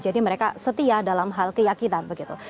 jadi mereka setia dalam hal keyakinan begitu